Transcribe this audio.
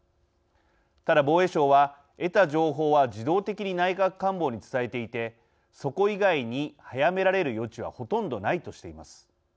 ただ、防衛省は得た情報は自動的に内閣官房に伝えていてそこ以外に早められる余地はほとんどないとしています。